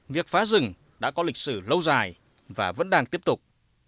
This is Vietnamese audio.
việc phá rừng đã có lịch sử lâu dài và vẫn đang tiếp tục